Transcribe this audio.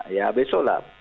ya besok lah